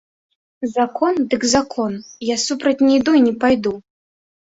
Закон дык закон, я супроць не іду і не пайду!